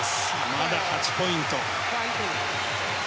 まだ８ポイント。